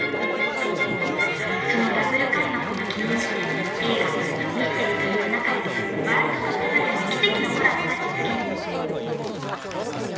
［そのＷ開幕を記念して映画『ミステリと言う勿れ』とワールドカップバレーの奇跡のコラボが実現］